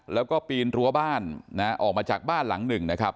แล้วก็ปีนรั้วบ้านออกมาจากบ้านหลังหนึ่งนะครับ